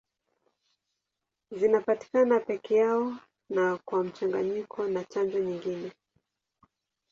Zinapatikana peke yao na kwa mchanganyiko na chanjo nyingine.